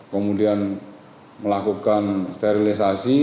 kemudian melakukan sterilisasi